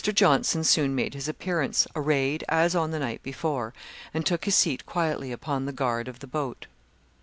Johnson soon made his appearance, arrayed as on the night before, and took his seat quietly upon the guard of the boat.